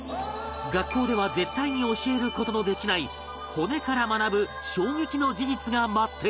学校では絶対に教える事のできない骨から学ぶ衝撃の事実が待っていた